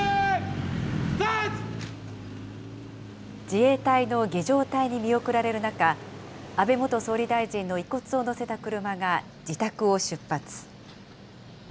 自衛隊の儀じょう隊に見送られる中、安倍元総理大臣の遺骨を載せた車が自宅を出発。